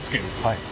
はい。